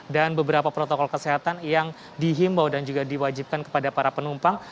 dan beberapa protokol kesehatan yang dihimbau dan juga diwajibkan kepada para penumpang